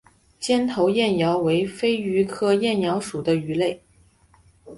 尖头燕鳐为飞鱼科燕鳐属的鱼类。